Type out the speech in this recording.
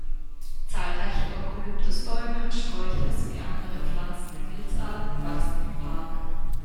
Zahlreiche Eukalyptusbäume und Sträucher sowie andere Pflanzen- und Pilz-Arten wachsen im Park.